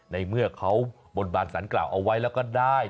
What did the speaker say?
ในเมื่อเขาบนบานสารกล่าวเอาไว้แล้วก็ได้